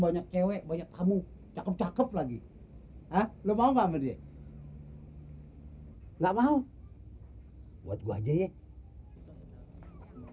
banyak cewek banyak kamu cakep cakep lagi hah lu mau pamer ya nggak mau hai buat gue aja ya